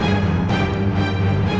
jangan sampai ben re